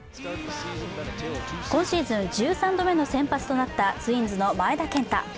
今シーズン１３度目の先発となったツインズの前田健太。